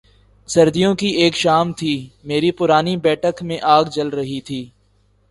سردیوں کی ایک شام تھی، میری پرانی بیٹھک میں آگ جل رہی تھی۔